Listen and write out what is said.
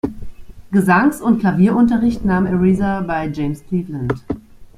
Gesangs- und Klavierunterricht nahm Aretha bei James Cleveland.